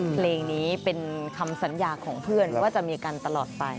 เพลงนี้เป็นคำสัญญาของเพื่อนว่าจะมีกันตลอดไป